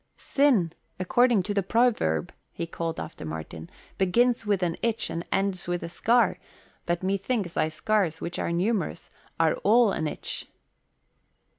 "'Sin,' according to the proverb," he called after Martin, "'begins with an itch and ends with a scar,' but methinks thy scars, which are numerous, are all an itch."